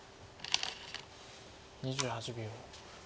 ２８秒。